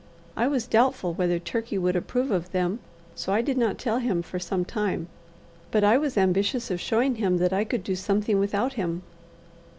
I was doubtful whether Turkey would approve of them, so I did not tell him for some time; but I was ambitious of showing him that I could do something without him.